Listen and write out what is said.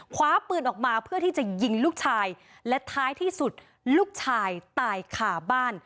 คว้าปืนออกมาเพื่อที่จะยิงลูกชายและท้ายที่สุดลูกชายตายขาบ้าน